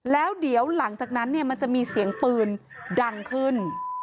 แล้วเดี๋ยวหลังจากนั้นเนี่ยมันจะมีเสียงปืนดังขึ้น